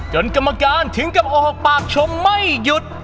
กรรมการถึงกับออกปากชมไม่หยุด